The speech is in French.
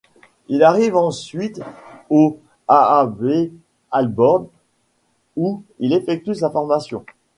Il arrive ensuite au AaB Ålborg où il effectue sa formation.